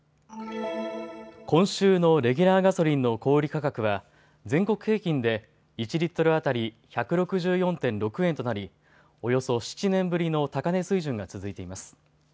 今週のレギュラーガソリンの小売価格は全国平均で１リットル当たり１６４．６円となりおよそ７年ぶりの高値水準が続いています。